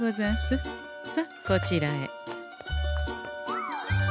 さあこちらへ。